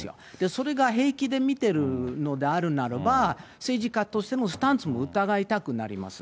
それが平気で見てるのであるならば、政治家としてのスタンスも疑いたくなります。